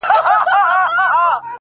مرغۍ الوتې وه، خالي قفس ته ودرېدم ،